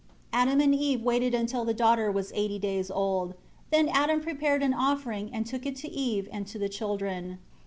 Adam and Eve waited until the daughter was eighty days old, then Adam prepared an offering and took it to Eve and to the children.